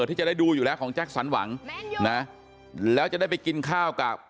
ที่จะได้ดูอยู่แล้วของแจ็คสันหวังนะแล้วจะได้ไปกินข้าวกับ